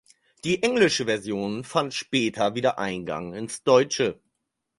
Die englische Version fand später wieder Eingang ins Deutsche.